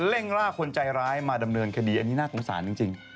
่งล่าคนใจร้ายมาดำเนินคดีอันนี้น่าสงสารจริง